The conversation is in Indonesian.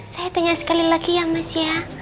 saya tanya sekali lagi ya mas ya